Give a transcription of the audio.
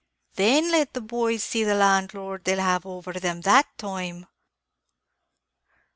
Then let the boys see the landlord they'll have over them, that time!"